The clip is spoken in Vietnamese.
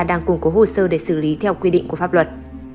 đang củng cố hồ sơ để xử lý theo quy định của pháp luật